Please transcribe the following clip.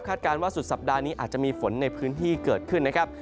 การว่าสุดสัปดาห์นี้อาจจะมีฝนในพื้นที่เกิดขึ้นนะครับ